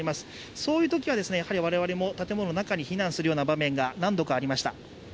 そういうときは我々も建物の中に避難する場面が何度かありました。